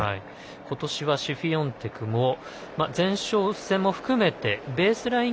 今年はシフィオンテクも前哨戦も含めてベースライン